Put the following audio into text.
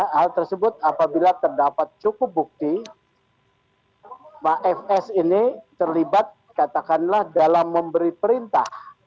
hal tersebut apabila terdapat cukup bukti pak fs ini terlibat katakanlah dalam memberi perintah